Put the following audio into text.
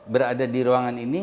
berada di ruangan ini